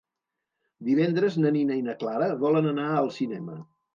Divendres na Nina i na Clara volen anar al cinema.